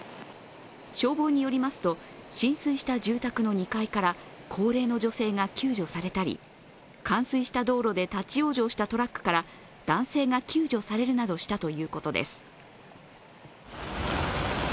消防によりますと、浸水した住宅の２階から高齢の女性が救助されたり冠水した道路で立往生したトラックから男性が救助されるなどしたということです。